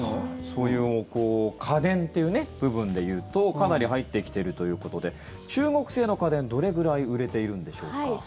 そういう家電っていう部分で言うとかなり入ってきてるということで中国製の家電、どれぐらい売れているんでしょうか。